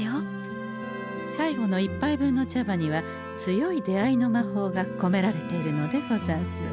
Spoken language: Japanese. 最後の１杯分の茶葉にはつよい出会いの魔法がこめられているのでござんす。